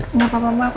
aku udah mau masuk